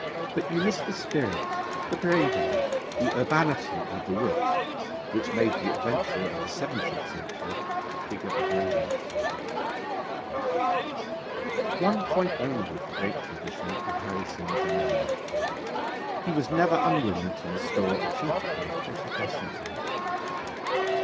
But you miss the spirit, the bravery, the urbanity, and the wit, which made the adventurer of the seventeenth century a figure of romance. One point only of the great tradition did Harry Simms remember. He was never unwilling to restore a trinket made precious by sentiment.